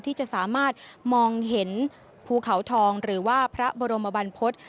ที่จะสามารถมองเห็นภูเขาทองหรือว่าพระบรมบรรพฤษ